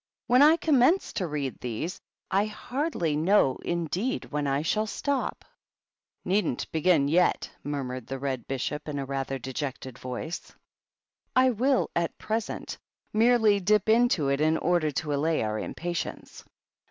When I commence to read these, I hardly know, indeed, when I shall stop." "Needn't begin yet," murmured the Red Bishop, in a rather dejected voice. THE BISHOPS. 167 " I will, at present, merely dip into it in order to allay our impatience.